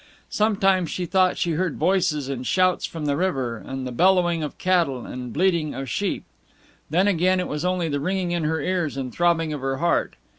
Sometimes she thought she heard voices and shouts from the river, and the bellowing of cattle and bleating of sheep. Then again it was only the ringing in her ears and throbbing of her heart.